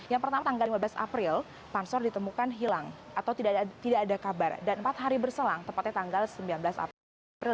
yang pertama tanggal lima belas april pansor ditemukan hilang atau tidak ada kabar dan empat hari berselang tepatnya tanggal sembilan belas april